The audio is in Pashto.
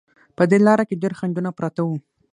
په دې لاره کې ډېر خنډونه پراته وو.